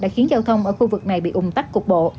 không ở khu vực này bị ủng tắc cục bộ